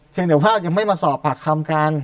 ยังเดี๋ยวภาพยังไม่มาสอบปากคำกัน